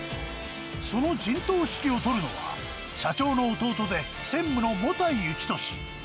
その陣頭指揮を執るのは、社長の弟で専務の茂田井幸利。